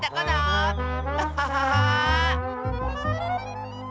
アハハハー！